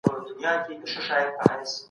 تاسي تل په دوستانه فضا کي اوسیږئ.